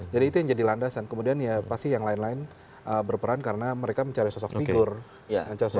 jadi itu yang jadi landasan kemudian ya pasti yang lain lain berperan karena mereka mencari sosok figur